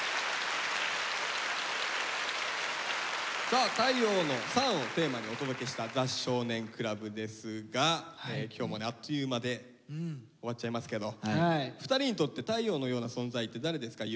さあ太陽の「ＳＵＮ」をテーマにお届けした「ザ少年倶楽部」ですが今日もねあっという間で終わっちゃいますけど２人にとって太陽のような存在って誰ですか？